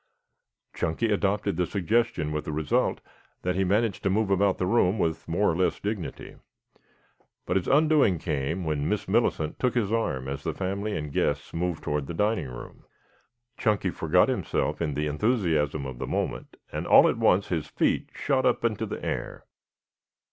Chunky adopted the suggestion with the result that he managed to move about the room with more or less dignity. But his undoing came when Miss Millicent took his arm as the family and guests moved toward the dining room. Chunky forgot himself in the enthusiasm of the moment, and all at once his feet shot up into the air.